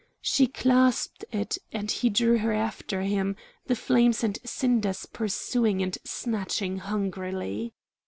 She clasped it, and he drew her after him, the flames and cinders pursuing and snatching hungrily.